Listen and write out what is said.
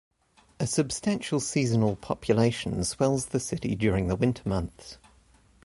A substantial seasonal population swells the city during the winter months.